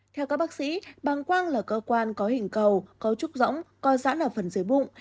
theo các bác sĩ bằng quang là cơ quan có hình cầu có trúc rỗng co giãn ở phần dưới bụng